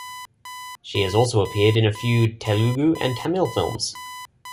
She has also appeared in a few Telugu and Tamil films.